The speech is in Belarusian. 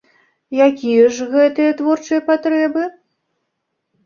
Якія ж гэтыя творчыя патрэбы?